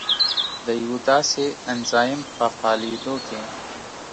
د یوه داسې انزایم په فعالېدو کې